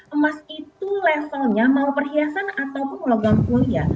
emas itu levelnya mau perhiasan ataupun logam mulia